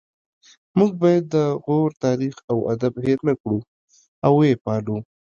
موږ باید د غور تاریخ او ادب هیر نکړو او ويې پالو